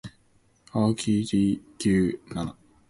青紅蘿蔔煲牛腩